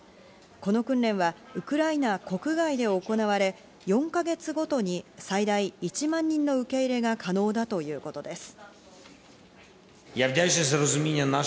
この訓練はウクライナ国外で行われ、４ヶ月ごとに最大１万人の受け入れが可能だということです。